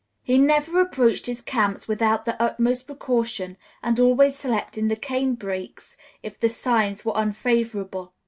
He never approached his camp without the utmost precaution, and always slept in the cane brakes if the signs were unfavorable.